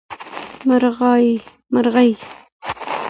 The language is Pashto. مرغۍ 🐦